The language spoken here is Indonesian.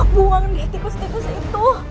buang di tikus tikus itu